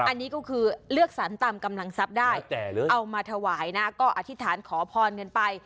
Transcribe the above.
อันนี้ก็คือเลือกสรรตามกำลังทรัพย์ได้เอามาถวายนะก็อธิษฐานขอพรกันไป